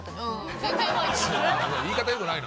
言い方よくないな。